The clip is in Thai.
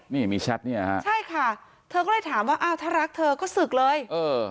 นี่มีแชทเนี่ยฮะใช่ค่ะเธอก็เลยถามว่าอ้าวถ้ารักเธอก็ศึกเลยเออ